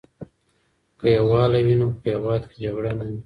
که یووالی وي نو په هېواد کې جګړه نه وي.